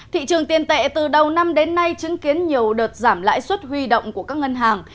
thị trường tiền tệ từ đầu năm đến nay chứng kiến nhiều đợt giảm lãi suất huy động của các ngân hàng